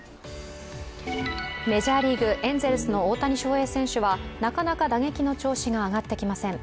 メジャーリーグ、エンゼルスの大谷翔平選手はなかなか打撃の調子が上がってきません。